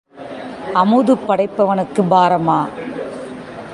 அமுது படைப்பவனுக்குப் பாரமா?